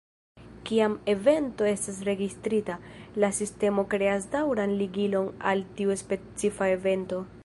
Kiam evento estas registrita, la sistemo kreas daŭran ligilon al tiu specifa evento.